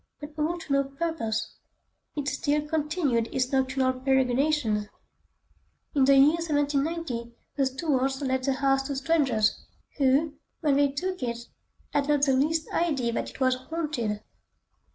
But all to no purpose; it still continued its nocturnal peregrinations. In the year 1790 the Stuarts let the house to strangers, who, when they took it, had not the least idea that it was haunted.